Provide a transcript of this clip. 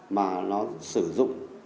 mà nó sử dụng